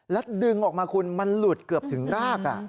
แล้วดึงออกมาคุณมันหลุดเกือบถึงราก